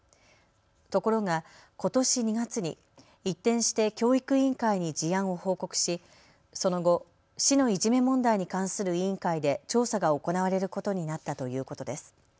ところがことし２月に一転して教育委員会に事案を報告しその後、市のいじめ問題に関する委員会で調査が行われることになったということです。